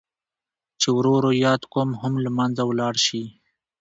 چې ورو ورو ياد قوم هم لمنځه ولاړ شي.